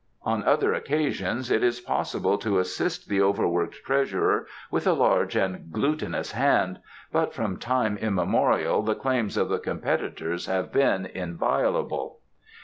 "On other occasions it is possible to assist the overworked treasurer with a large and glutinous hand, but from time immemorial the claims of the competitors have been inviolable."